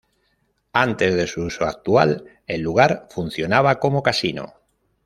Antes de su uso actual, el lugar funcionaba como casino.